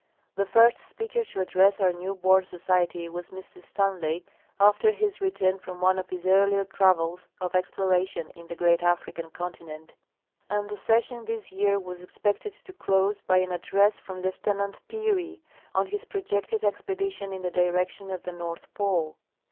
The first speaker to address our new born Society was Mr Stanley after his return from one of his earlier travels of exploration in the great African continent ; and the session this year was expected to close by an address from Lieutenant Peary, on his projected expedition in the direction of the North Pole.